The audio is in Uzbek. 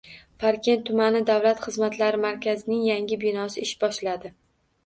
Parkent tuman davlat xizmatlari markazining yangi binosi ish boshladi